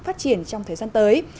phát triển trong thời gian tới